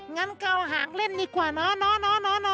งั้นเกาหางเล่นดีกว่าเนาะ